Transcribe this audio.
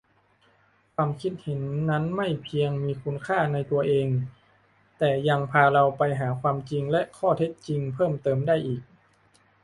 ความคิดเห็นนั้นไม่เพียงมีคุณค่าในตัวเอง แต่ยังพาเราไปหาความจริงและข้อเท็จจริงเพิ่มเติมได้อีก